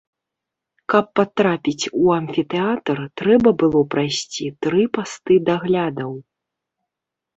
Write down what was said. Каб патрапіць у амфітэатр, трэба было прайсці тры пасты даглядаў.